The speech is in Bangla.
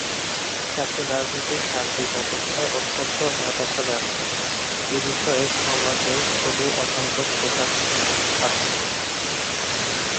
ছাত্ররাজনীতির সার্বিক অবক্ষয় অত্যন্ত হতাশাব্যঞ্জক; এ নিয়ে সমাজে গভীর অসন্তোষ আছে।